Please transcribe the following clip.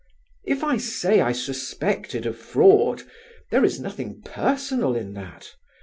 "If I say I suspected a fraud, there is nothing personal in that.